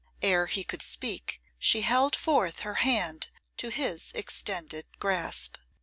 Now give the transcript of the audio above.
Ere he could speak she held forth her hand to his extended grasp.